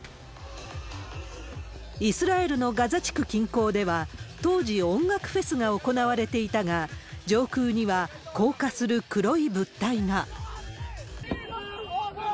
イスラエルのガザ地区近郊では、当時、音楽フェスが行われていたが、上空には降下する黒い物体が。